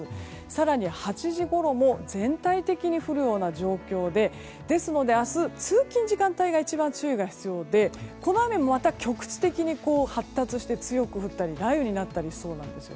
更に、８時ごろも全体的に降るような状況でですので明日、通勤時間帯が一番注意が必要でこの雨も、また局地的に発達して強く降ったり雷雨になったりしそうです。